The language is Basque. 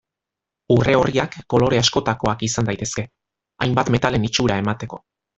Urre orriak kolore askotakoak izan daitezke, hainbat metalen itxura emateko.